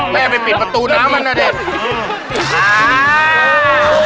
แม่ไปปิดประตูน้ำมันนะเด็ก